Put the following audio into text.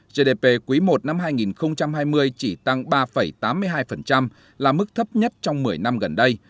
gdp quý i năm hai nghìn hai mươi chỉ tăng ba tám mươi hai là mức thấp nhất trong một mươi năm gần đây